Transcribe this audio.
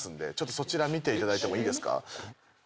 そちら見ていただいてもいいですか？